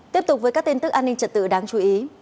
tiếp tục với các tin tức an ninh trật tự đáng chú ý